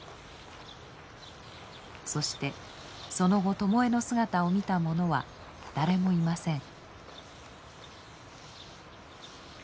そしてその後巴の姿を見た者は誰もいません。